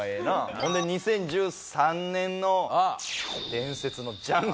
そんで２０１３年の伝説のジャンケン大会。